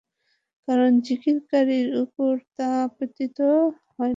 কারণ যিকিরকারীর উপর তা আপতিত হয় না।